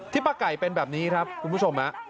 ป้าไก่เป็นแบบนี้ครับคุณผู้ชม